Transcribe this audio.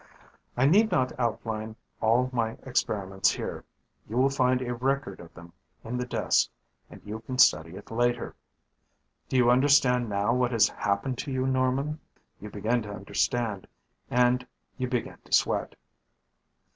"I need not outline all my experiments here. You will find a record of them in the desk and you can study it later. "Do you understand now what has happened to you, Norman?" You begin to understand. And you begin to sweat.